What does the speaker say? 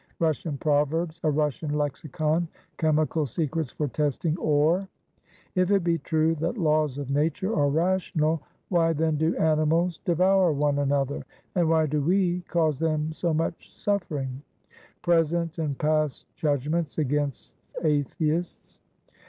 "Russian proverbs. A Russian lexicon." "Chemical secrets for testing ore." "If it be true that laws of nature are rational, why then do animals devour one another? and why do we cause them so much suffering?" "Present and past judgments against atheists."